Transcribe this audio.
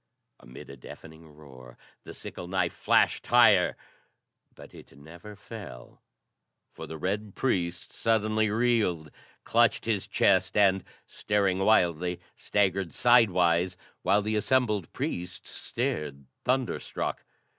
Amid a deafening roar the sickle knife flashed higher; but it never fell, for the red priest suddenly reeled, clutched his chest and, staring wildly, staggered sidewise, while the assembled priests stared thunderstruck.